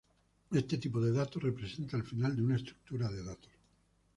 Este tipo de dato representa el final de una estructura de datos.